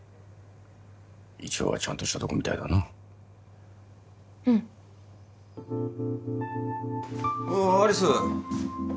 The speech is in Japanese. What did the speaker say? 一応はちゃんとしたとこみたいだなうんおう有栖